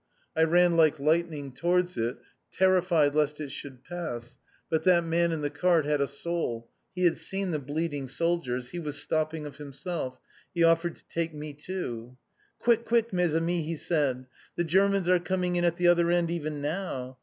I ran like lightning towards it, terrified lest it should pass, but that man in the cart had a soul, he had seen the bleeding soldiers, he was stopping of himself, he offered to take me, too. "Quick, quick, mes amis!" he said. "The Germans are coming in at the other end even now!